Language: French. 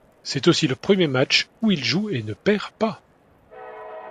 C’est aussi le premier match où il joue et ne perd pas.